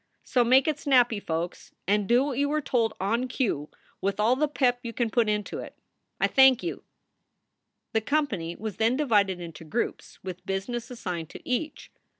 So make it snappy, folks, and do what you are told on cue, with all the pep you can put into it. I thank you!" The company was then divided into groups, with business assigned to each.